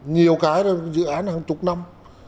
nhiều cái dự án hàng chục năm